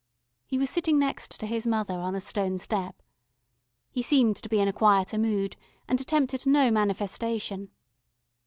He was sitting next to his mother on a stone step. He seemed to be in a quieter mood and attempted no manifestation.